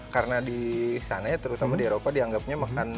karena di sana ya terutama di eropa dianggapnya makan tanah itu